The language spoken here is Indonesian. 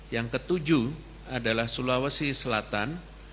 yang ketujuh adalah sulawesi selatan